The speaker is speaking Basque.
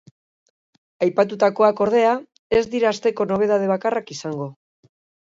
Aipatutakoak, ordea, ez dira asteko nobedade bakarrak izango.